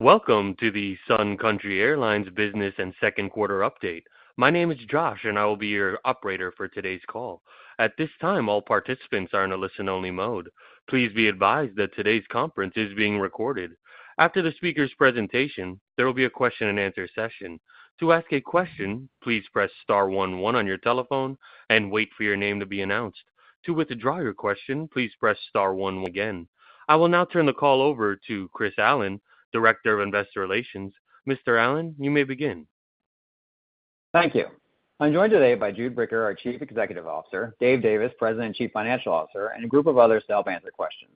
Welcome to the Sun Country Airlines business and second quarter update. My name is Josh, and I will be your operator for today's call. At this time, all participants are in a listen-only mode. Please be advised that today's conference is being recorded. After the speaker's presentation, there will be a question-and-answer session. To ask a question, please press star one one on your telephone and wait for your name to be announced. To withdraw your question, please press star one one again. I will now turn the call over to Chris Allen, Director of Investor Relations. Mr. Allen, you may begin. Thank you. I'm joined today by Jude Bricker, our Chief Executive Officer, Dave Davis, President and Chief Financial Officer, and a group of others to help answer questions.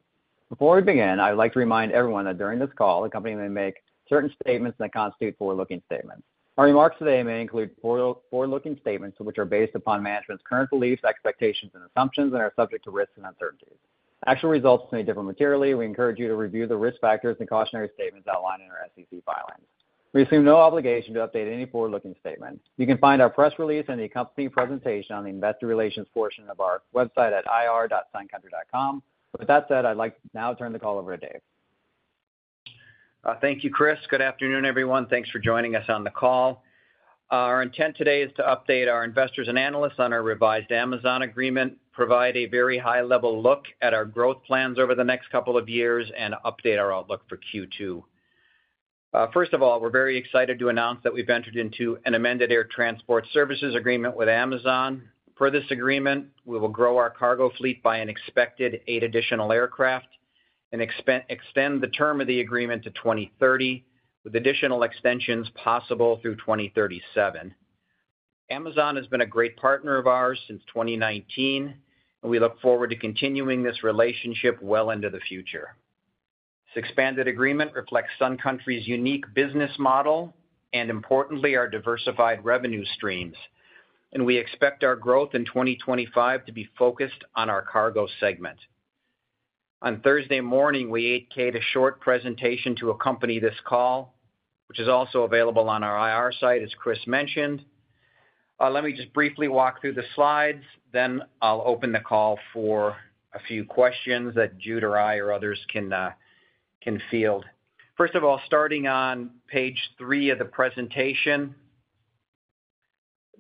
Before we begin, I'd like to remind everyone that during this call, the company may make certain statements that constitute forward-looking statements. Our remarks today may include forward-looking statements, which are based upon management's current beliefs, expectations, and assumptions and are subject to risks and uncertainties. Actual results may differ materially. We encourage you to review the risk factors and cautionary statements outlined in our SEC filings. We assume no obligation to update any forward-looking statements. You can find our press release and the accompanying presentation on the investor relations portion of our website at ir.suncountry.com. With that said, I'd like to now turn the call over to Dave. Thank you, Chris. Good afternoon, everyone. Thanks for joining us on the call. Our intent today is to update our investors and analysts on our revised Amazon agreement, provide a very high-level look at our growth plans over the next couple of years, and update our outlook for Q2. First of all, we're very excited to announce that we've entered into an amended Air Transport Services Agreement with Amazon. Per this agreement, we will grow our cargo fleet by an expected 8 additional aircraft and extend the term of the agreement to 2030, with additional extensions possible through 2037. Amazon has been a great partner of ours since 2019, and we look forward to continuing this relationship well into the future. This expanded agreement reflects Sun Country's unique business model and importantly, our diversified revenue streams, and we expect our growth in 2025 to be focused on our cargo segment. On Thursday morning, we 8-K'd a short presentation to accompany this call, which is also available on our IR site, as Chris mentioned. Let me just briefly walk through the slides, then I'll open the call for a few questions that Jude or I or others can, can field. First of all, starting on page three of the presentation,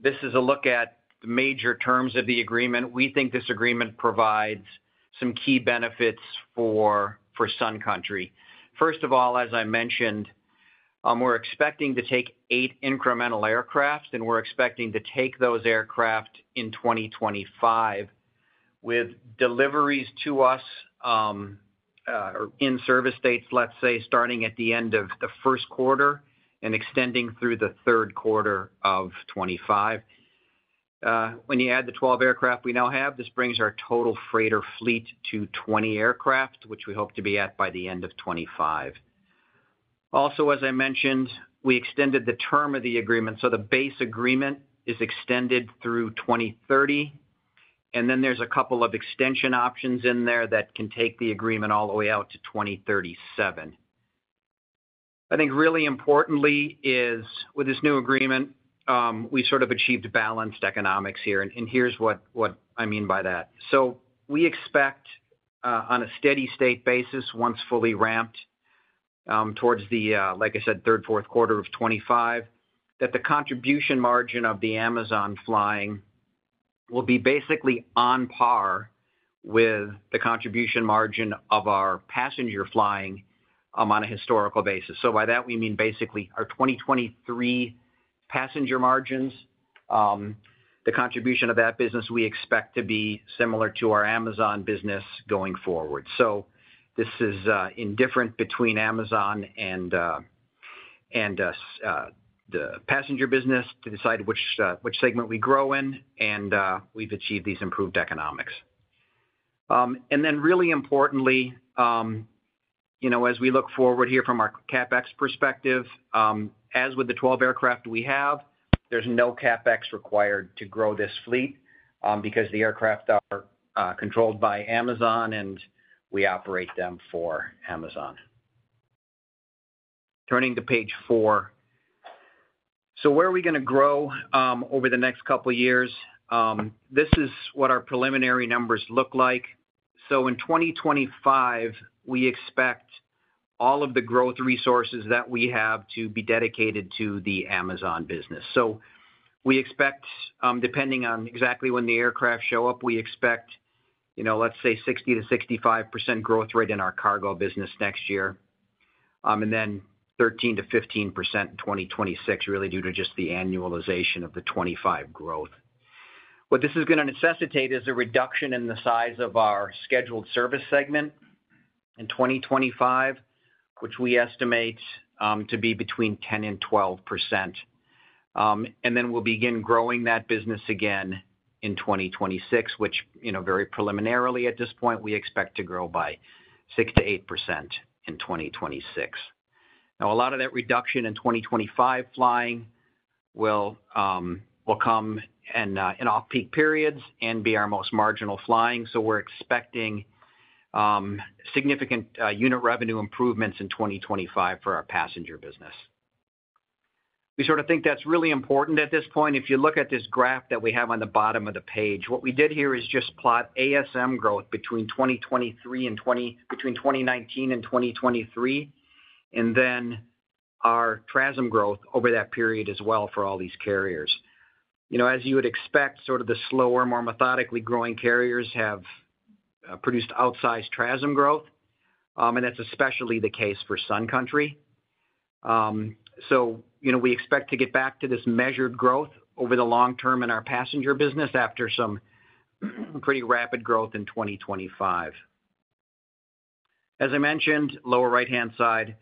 this is a look at the major terms of the agreement. We think this agreement provides some key benefits for, for Sun Country. First of all, as I mentioned, we're expecting to take eight incremental aircraft, and we're expecting to take those aircraft in 2025, with deliveries to us, or in-service dates, let's say, starting at the end of the first quarter and extending through the third quarter of 2025. When you add the 12 aircraft we now have, this brings our total freighter fleet to 20 aircraft, which we hope to be at by the end of 2025. Also, as I mentioned, we extended the term of the agreement, so the base agreement is extended through 2030, and then there's a couple of extension options in there that can take the agreement all the way out to 2037. I think really importantly is with this new agreement, we sort of achieved balanced economics here, and here's what I mean by that. So we expect on a steady-state basis, once fully ramped towards the, like I said, third, fourth quarter of 2025, that the contribution margin of the Amazon flying will be basically on par with the contribution margin of our passenger flying on a historical basis. So by that, we mean basically our 2023 passenger margins, the contribution of that business, we expect to be similar to our Amazon business going forward. So this is indifferent between Amazon and the passenger business to decide which segment we grow in, and we've achieved these improved economics. And then really importantly, you know, as we look forward here from our CapEx perspective, as with the 12 aircraft we have, there's no CapEx required to grow this fleet, because the aircraft are controlled by Amazon, and we operate them for Amazon. Turning to page four. So where are we going to grow over the next couple of years? This is what our preliminary numbers look like. So in 2025, we expect all of the growth resources that we have to be dedicated to the Amazon business. So we expect, depending on exactly when the aircraft show up, we expect, you know, let's say, 60%-65% growth rate in our cargo business next year, and then 13%-15% in 2026, really due to just the annualization of the 2025 growth. What this is going to necessitate is a reduction in the size of our scheduled service segment in 2025, which we estimate to be between 10% and 12%. Then we'll begin growing that business again in 2026, which, you know, very preliminarily at this point, we expect to grow by 6%-8% in 2026. Now, a lot of that reduction in 2025 flying will come in off-peak periods and be our most marginal flying. So we're expecting significant unit revenue improvements in 2025 for our passenger business.... We sort of think that's really important at this point. If you look at this graph that we have on the bottom of the page, what we did here is just plot ASM growth between 2023 and—between 2019 and 2023, and then our TRASM growth over that period as well for all these carriers. You know, as you would expect, sort of the slower, more methodically growing carriers have produced outsized TRASM growth, and that's especially the case for Sun Country. So, you know, we expect to get back to this measured growth over the long term in our passenger business after some pretty rapid growth in 2025. As I mentioned, lower right-hand side,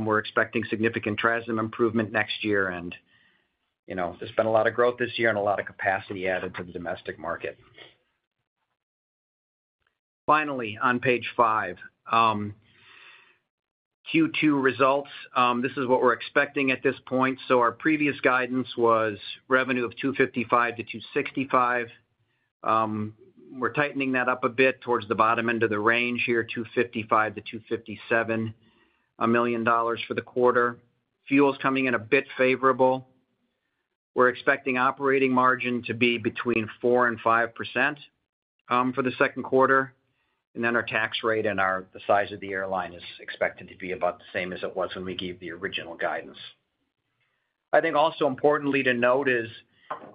we're expecting significant TRASM improvement next year, and, you know, there's been a lot of growth this year and a lot of capacity added to the domestic market. Finally, on page five, Q2 results. This is what we're expecting at this point. So our previous guidance was revenue of $255 million-$265 million. We're tightening that up a bit towards the bottom end of the range here, $255 million-$257 million for the quarter. Fuel's coming in a bit favorable. We're expecting operating margin to be between 4% and 5% for the second quarter, and then our tax rate and the size of the airline is expected to be about the same as it was when we gave the original guidance. I think also importantly to note is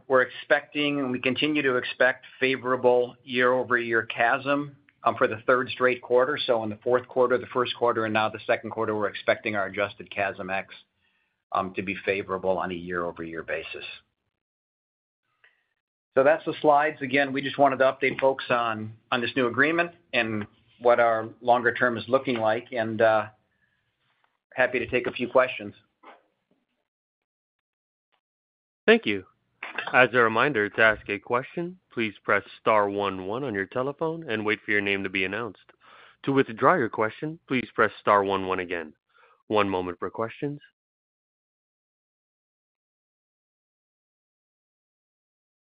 we're expecting, and we continue to expect, favorable year-over-year CASM for the third straight quarter. So in the fourth quarter, the first quarter, and now the second quarter, we're expecting our Adjusted CASM ex to be favorable on a year-over-year basis. That's the slides. Again, we just wanted to update folks on this new agreement and what our longer term is looking like, and happy to take a few questions. Thank you. As a reminder, to ask a question, please press star one one on your telephone and wait for your name to be announced. To withdraw your question, please press star one one again. One moment for questions.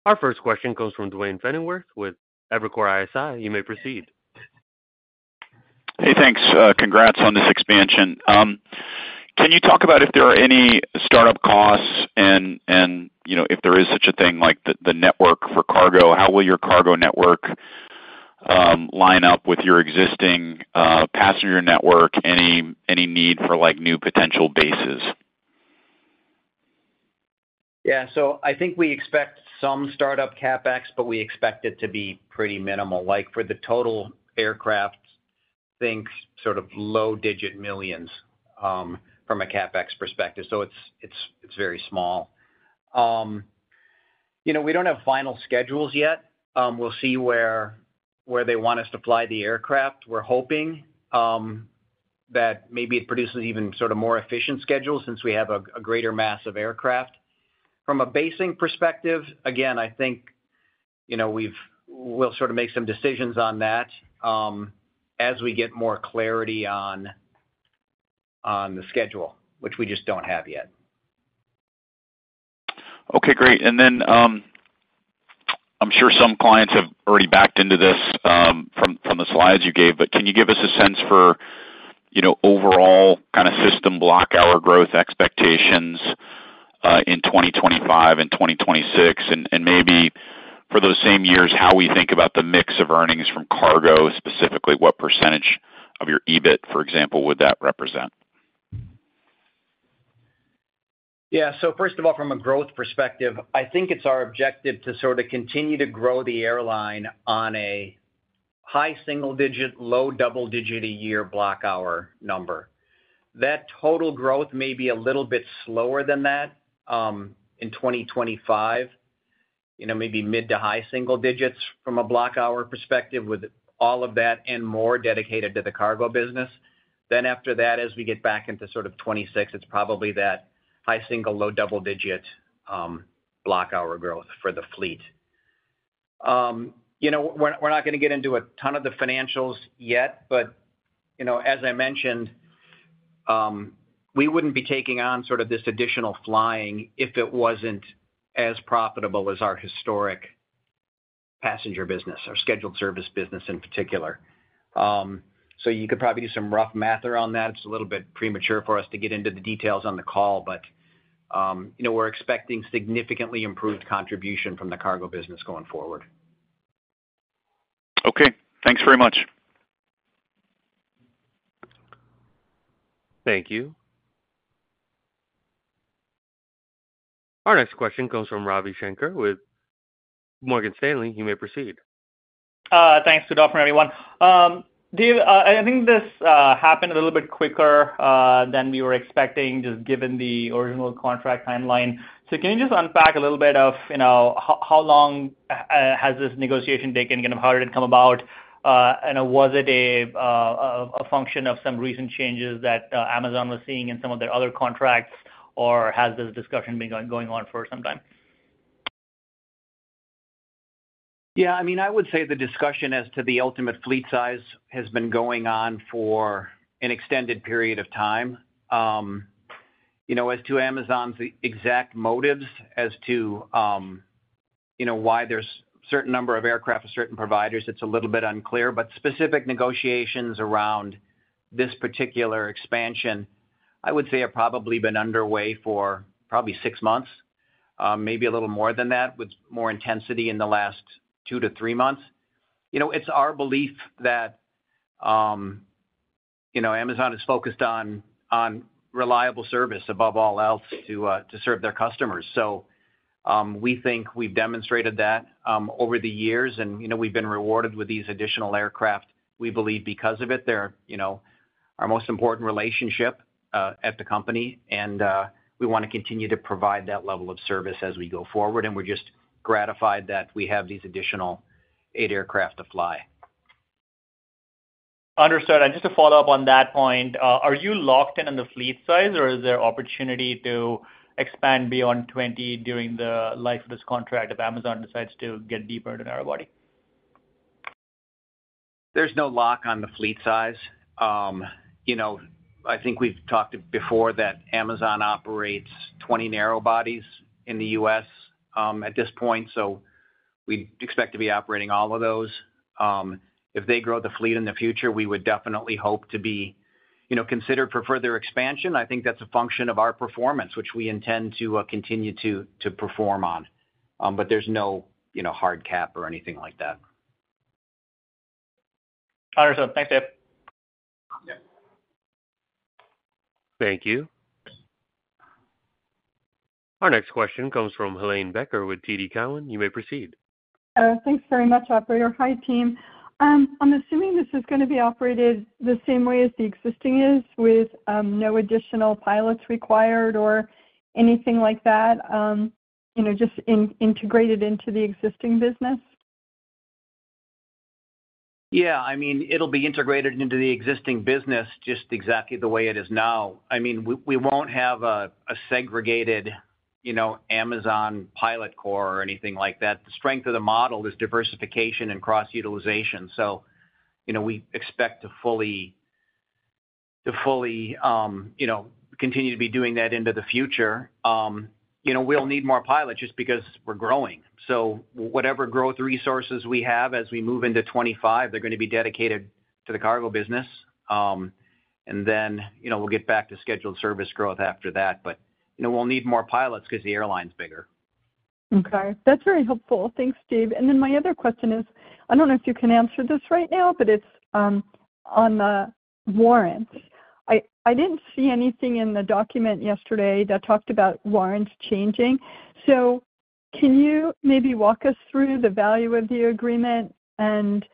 Our first question comes from Duane Pfennigwerth with Evercore ISI. You may proceed. Hey, thanks. Congrats on this expansion. Can you talk about if there are any startup costs? You know, if there is such a thing, like, the network for cargo, how will your cargo network line up with your existing passenger network? Any need for, like, new potential bases? Yeah. So I think we expect some startup CapEx, but we expect it to be pretty minimal. Like, for the total aircraft, think sort of low-digit millions from a CapEx perspective, so it's very small. You know, we don't have final schedules yet. We'll see where they want us to fly the aircraft. We're hoping that maybe it produces even sort of more efficient schedules since we have a greater mass of aircraft. From a basing perspective, again, I think, you know, we'll sort of make some decisions on that as we get more clarity on the schedule, which we just don't have yet. Okay, great. And then, I'm sure some clients have already backed into this, from the slides you gave, but can you give us a sense for, you know, overall kind of system block hour growth expectations, in 2025 and 2026? And maybe for those same years, how we think about the mix of earnings from cargo, specifically, what percentage of your EBIT, for example, would that represent? Yeah. So first of all, from a growth perspective, I think it's our objective to sort of continue to grow the airline on a high single-digit, low double-digit a year block hour number. That total growth may be a little bit slower than that in 2025, you know, maybe mid- to high single digits from a block hour perspective, with all of that and more dedicated to the cargo business. Then after that, as we get back into sort of 2026, it's probably that high single, low double-digit block hour growth for the fleet. You know, we're not going to get into a ton of the financials yet, but you know, as I mentioned, we wouldn't be taking on sort of this additional flying if it wasn't as profitable as our historic passenger business, our scheduled service business in particular. So you could probably do some rough math around that. It's a little bit premature for us to get into the details on the call, but, you know, we're expecting significantly improved contribution from the cargo business going forward. Okay, thanks very much. Thank you. Our next question comes from Ravi Shanker with Morgan Stanley. You may proceed. Thanks to all, for everyone. Dave, I think this happened a little bit quicker than we were expecting, just given the original contract timeline. So can you just unpack a little bit of, you know, how, how long has this negotiation taken? And how did it come about? And was it a, a function of some recent changes that Amazon was seeing in some of their other contracts, or has this discussion been going, going on for some time? Yeah, I mean, I would say the discussion as to the ultimate fleet size has been going on for an extended period of time. You know, as to Amazon's exact motives as to, you know, why there's a certain number of aircraft or certain providers, it's a little bit unclear. But specific negotiations around this particular expansion, I would say, have probably been underway for probably six months, maybe a little more than that, with more intensity in the last two to three months. You know, it's our belief that, you know, Amazon is focused on, on reliable service above all else to, to serve their customers. So, we think we've demonstrated that, over the years, and, you know, we've been rewarded with these additional aircraft. We believe because of it, they're, you know, our most important relationship at the company, and we wanna continue to provide that level of service as we go forward, and we're just gratified that we have these additional eight aircraft to fly. Understood. Just to follow up on that point, are you locked in on the fleet size, or is there opportunity to expand beyond 20 during the life of this contract if Amazon decides to get deeper into narrowbody? There's no lock on the fleet size. You know, I think we've talked before that Amazon operates 20 narrow bodies in the U.S., at this point, so we expect to be operating all of those. If they grow the fleet in the future, we would definitely hope to be, you know, considered for further expansion. I think that's a function of our performance, which we intend to continue to perform on. But there's no, you know, hard cap or anything like that. Understood. Thanks, Dave. Thank you. Our next question comes from Helane Becker with TD Cowen. You may proceed. Thanks very much, operator. Hi, team. I'm assuming this is gonna be operated the same way as the existing is, with no additional pilots required or anything like that, you know, just integrated into the existing business? Yeah, I mean, it'll be integrated into the existing business just exactly the way it is now. I mean, we, we won't have a, a segregated, you know, Amazon pilot corps or anything like that. The strength of the model is diversification and cross-utilization. So, you know, we expect to fully, to fully, you know, continue to be doing that into the future. You know, we'll need more pilots just because we're growing. So whatever growth resources we have as we move into 25, they're gonna be dedicated to the cargo business. And then, you know, we'll get back to scheduled service growth after that. But, you know, we'll need more pilots because the airline's bigger. Okay. That's very helpful. Thanks, Dave. And then my other question is, I don't know if you can answer this right now, but it's on the warrants. I, I didn't see anything in the document yesterday that talked about warrants changing. So can you maybe walk us through the value of the agreement, and...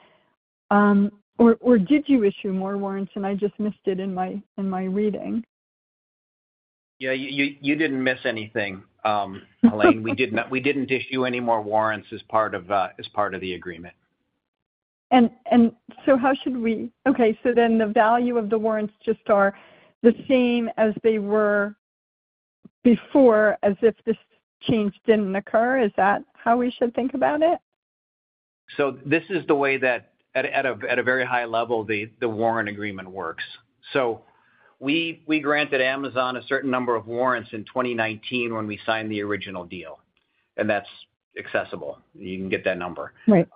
Or, or did you issue more warrants, and I just missed it in my, in my reading? Yeah, you didn't miss anything, Helane. We didn't issue any more warrants as part of, as part of the agreement. Okay, so then the value of the warrants just are the same as they were before, as if this change didn't occur. Is that how we should think about it? So this is the way that at a very high level, the warrant agreement works. So we granted Amazon a certain number of warrants in 2019 when we signed the original deal, and that's accessible. You can get that number. Right.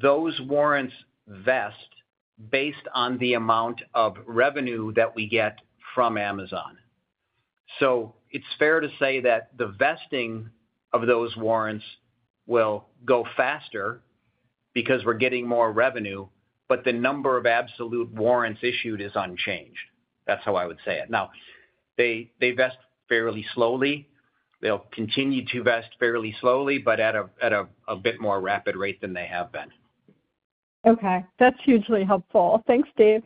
Those warrants vest based on the amount of revenue that we get from Amazon. So it's fair to say that the vesting of those warrants will go faster because we're getting more revenue, but the number of absolute warrants issued is unchanged. That's how I would say it. Now, they vest fairly slowly. They'll continue to vest fairly slowly, but at a bit more rapid rate than they have been. Okay. That's hugely helpful. Thanks, Dave.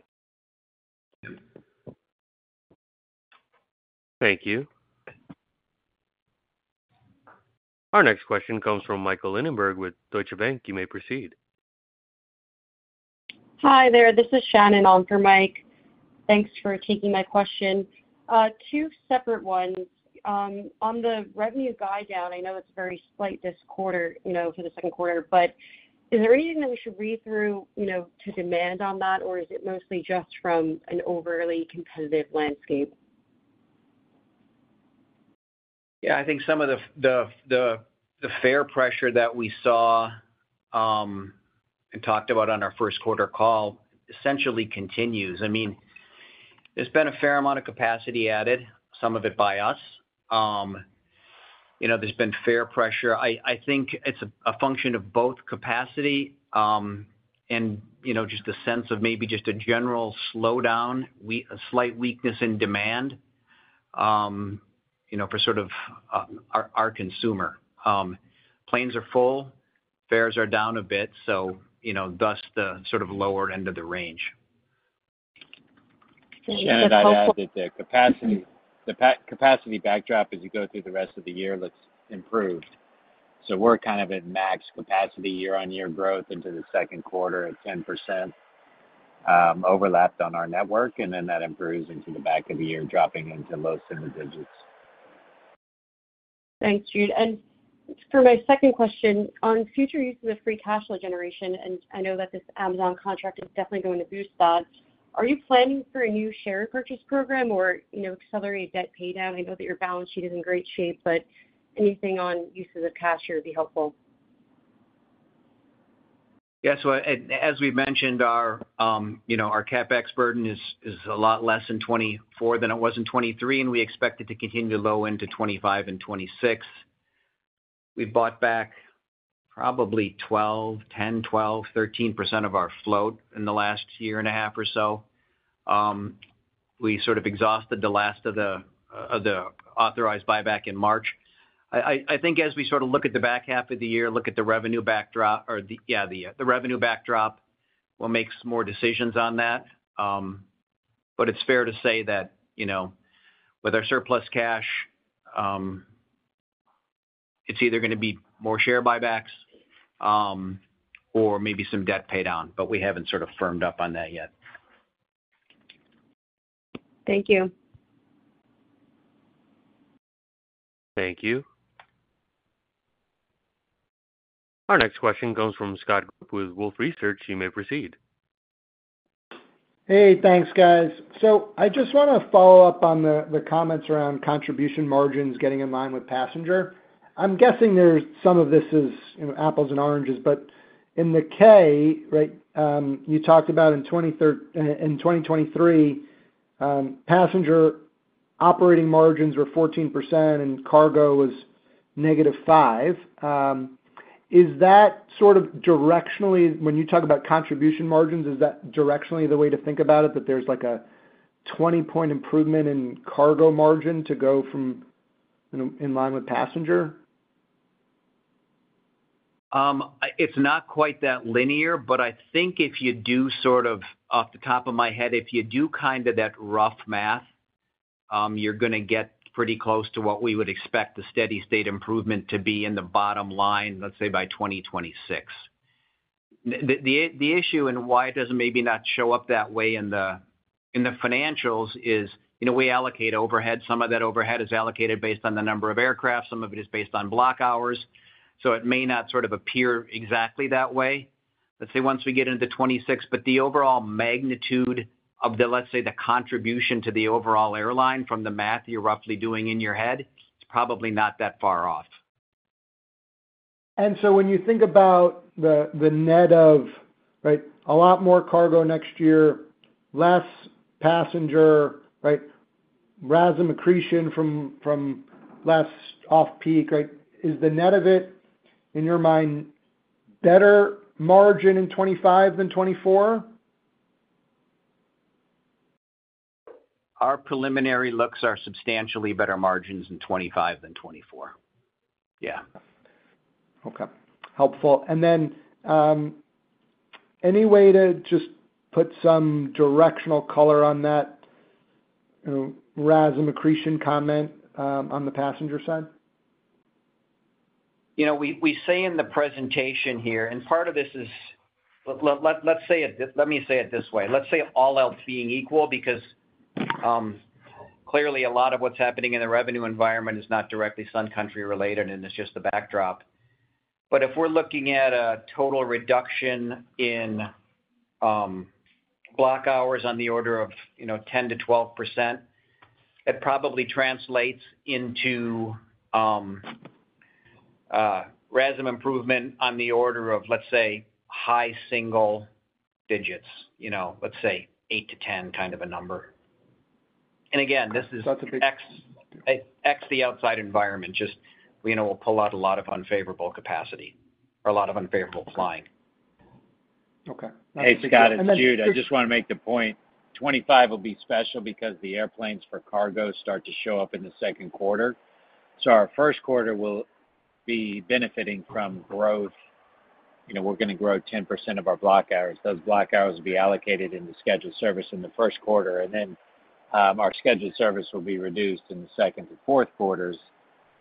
Thank you. Our next question comes from Michael Linenberg with Deutsche Bank. You may proceed. Hi there, this is Shannon on for Mike. Thanks for taking my question. Two separate ones. On the revenue guidance down, I know it's very slight this quarter, you know, for the second quarter, but is there anything that we should read into, you know, regarding demand on that, or is it mostly just from an overly competitive landscape? Yeah, I think some of the fare pressure that we saw and talked about on our first quarter call essentially continues. I mean, there's been a fair amount of capacity added, some of it by us. You know, there's been fare pressure. I think it's a function of both capacity and, you know, just the sense of maybe just a general slowdown, a slight weakness in demand, you know, for sort of our consumer. Planes are full, fares are down a bit, so, you know, thus the sort of lower end of the range. And I would hope- Shannon, I'd add that the capacity, the capacity backdrop as you go through the rest of the year looks improved. So we're kind of at max capacity year-on-year growth into the second quarter at 10%, overlapped on our network, and then that improves into the back of the year, dropping into low single digits. Thanks, Jude. And for my second question, on future use of free cash flow generation, and I know that this Amazon contract is definitely going to boost that, are you planning for a new share purchase program or, you know, accelerate debt pay down? I know that your balance sheet is in great shape, but anything on uses of cash here would be helpful.... Yeah, so as we've mentioned, our, you know, our CapEx burden is a lot less in 2024 than it was in 2023, and we expect it to continue low into 2025 and 2026. We bought back probably 10%-13% of our float in the last year and a half or so. We sort of exhausted the last of the authorized buyback in March. I think as we sort of look at the back half of the year, look at the revenue backdrop, yeah, the revenue backdrop, we'll make some more decisions on that. But it's fair to say that, you know, with our surplus cash, it's either going to be more share buybacks or maybe some debt paid down, but we haven't sort of firmed up on that yet. Thank you. Thank you. Our next question comes from Scott Group with Wolfe Research. You may proceed. Hey, thanks, guys. So I just want to follow up on the comments around contribution margins getting in line with passenger. I'm guessing some of this is, you know, apples and oranges, but in the 8-K, right, you talked about in 2023, passenger operating margins were 14% and cargo was -5%. Is that sort of directionally, when you talk about contribution margins, is that directionally the way to think about it, that there's like a 20-point improvement in cargo margin to go from, you know, in line with passenger? It's not quite that linear, but I think if you do sort of, off the top of my head, if you do kind of that rough math, you're going to get pretty close to what we would expect the steady state improvement to be in the bottom line, let's say by 2026. The issue and why it doesn't maybe not show up that way in the financials is, you know, we allocate overhead. Some of that overhead is allocated based on the number of aircraft. Some of it is based on block hours, so it may not sort of appear exactly that way, let's say, once we get into 2026. But the overall magnitude of the, let's say, the contribution to the overall airline from the math you're roughly doing in your head, it's probably not that far off. And so when you think about the net of, right, a lot more cargo next year, less passenger, right? RASM accretion from less off peak, right? Is the net of it, in your mind, better margin in 2025 than 2024? Our preliminary looks are substantially better margins in 2025 than 2024. Yeah. Okay. Helpful. And then, any way to just put some directional color on that, you know, RASM accretion comment, on the passenger side? You know, we say in the presentation here, and part of this is... Let's say it, let me say it this way. Let's say all else being equal, because clearly a lot of what's happening in the revenue environment is not directly Sun Country related, and it's just the backdrop. But if we're looking at a total reduction in block hours on the order of, you know, 10%-12%, it probably translates into RASM improvement on the order of, let's say, high single digits, you know, let's say eight-10, kind of a number. And again, this is- That's a big-... X, X, the outside environment, just, you know, we'll pull out a lot of unfavorable capacity or a lot of unfavorable flying. Okay. Hey, Scott, it's Jude. I just want to make the point, 2025 will be special because the airplanes for cargo start to show up in the second quarter. So our first quarter will be benefiting from growth. You know, we're going to grow 10% of our block hours. Those block hours will be allocated in the scheduled service in the first quarter, and then our scheduled service will be reduced in the second and fourth quarters.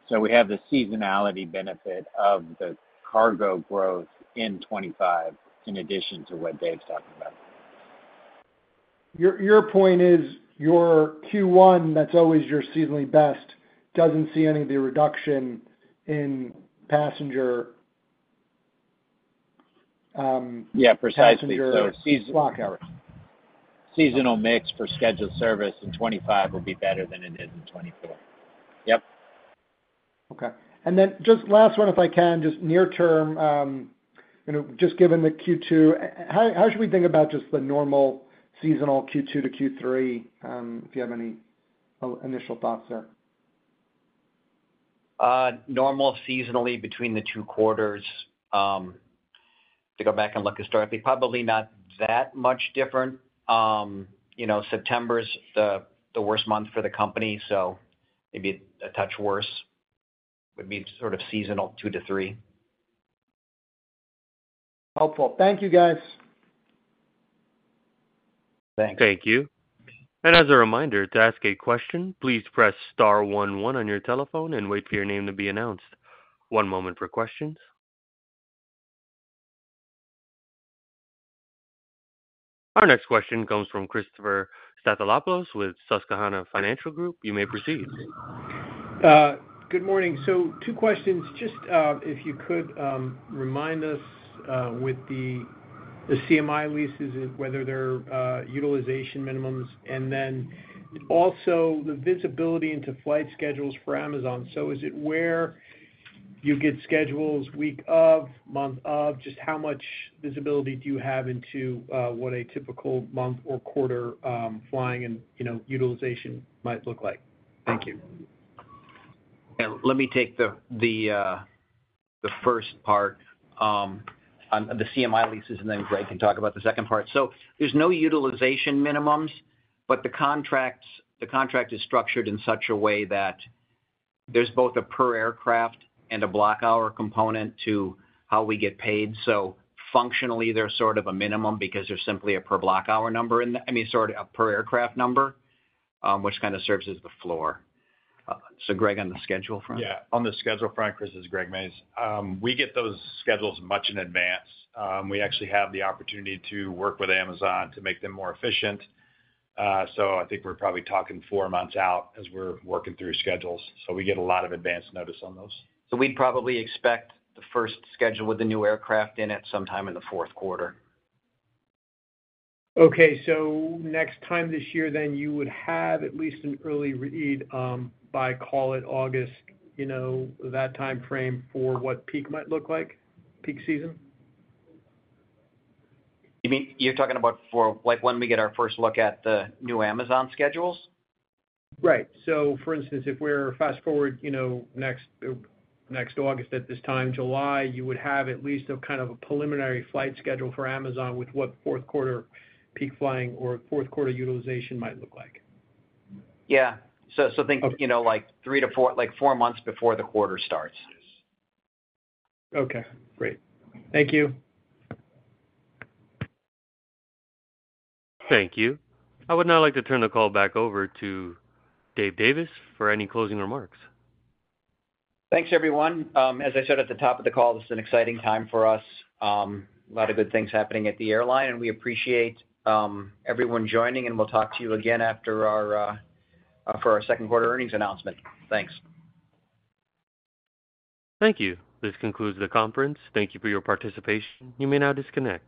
So we have the seasonality benefit of the cargo growth in 2025, in addition to what Dave's talking about. Your point is, your Q1, that's always your seasonally best, doesn't see any of the reduction in passenger, Yeah, precisely. Passenger- So season- -block hours. Seasonal mix for scheduled service in 2025 will be better than it is in 2024. Yep. Okay. And then just last one, if I can, just near term, you know, just given the Q2, how should we think about just the normal seasonal Q2 to Q3? If you have any initial thoughts there. Normal seasonally between the two quarters, to go back and look historically, probably not that much different. You know, September is the worst month for the company, so maybe a touch worse, would be sort of seasonal two to three. Helpful. Thank you, guys. Thanks. Thank you. And as a reminder, to ask a question, please press star one one on your telephone and wait for your name to be announced. One moment for questions. Our next question comes from Christopher Stathoulopoulos with Susquehanna Financial Group. You may proceed. Good morning. So two questions. Just, if you could, remind us with the CMI leases, whether they're utilization minimums, and then also the visibility into flight schedules for Amazon. So is it where you get schedules week of, month of? Just how much visibility do you have into what a typical month or quarter, flying and, you know, utilization might look like? Thank you. Yeah, let me take the first part on the CMI leases, and then Greg can talk about the second part. So there's no utilization minimums, but the contracts, the contract is structured in such a way that there's both a per aircraft and a block hour component to how we get paid. So functionally, there's sort of a minimum because there's simply a per block hour number in the, I mean, sort of a per aircraft number, which kind of serves as the floor. So Greg, on the schedule front? Yeah, on the schedule front, Chris, this is Greg Mays. We get those schedules much in advance. We actually have the opportunity to work with Amazon to make them more efficient. So I think we're probably talking four months out as we're working through schedules, so we get a lot of advance notice on those. We'd probably expect the first schedule with the new aircraft in it sometime in the fourth quarter. Okay, so next time this year, then, you would have at least an early read, by, call it August, you know, that timeframe for what peak might look like, peak season? You mean—you're talking about for, like, when we get our first look at the new Amazon schedules? Right. So for instance, if we're fast forward, you know, next, next August at this time, July, you would have at least a kind of a preliminary flight schedule for Amazon with what fourth quarter peak flying or fourth quarter utilization might look like. Yeah. So, think of, you know, like, 3 to 4, like, 4 months before the quarter starts. Okay, great. Thank you. Thank you. I would now like to turn the call back over to Dave Davis for any closing remarks. Thanks, everyone. As I said at the top of the call, this is an exciting time for us. A lot of good things happening at the airline, and we appreciate everyone joining, and we'll talk to you again after our second quarter earnings announcement. Thanks. Thank you. This concludes the conference. Thank you for your participation. You may now disconnect.